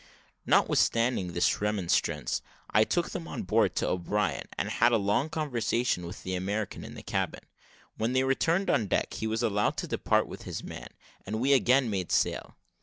Notwithstanding this remonstrance, I took them on board to O'Brien, who had a long conversation with the American in the cabin. When they returned on deck, he was allowed to depart with his man, and we again made sail.